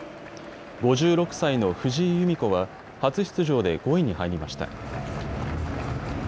５６歳の藤井由美子は初出場で５位に入りました。